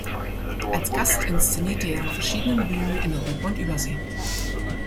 Als Gast inszenierte er an verschiedenen Bühnen in Europa und Übersee.